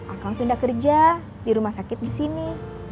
akang pindah kerja di rumah sakit disini